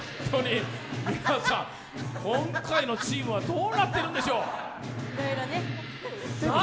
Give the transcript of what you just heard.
皆さん、今回のチームはどうなってるんでしょう？